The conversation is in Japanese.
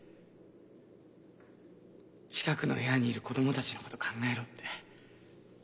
近くの部屋にいる子どもたちのこと考えろって。